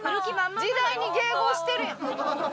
時代に迎合してるやん。